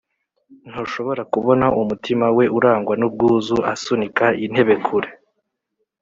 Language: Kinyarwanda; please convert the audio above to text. ntushobora kubona umutima we urangwa n'ubwuzu asunika intebe kure.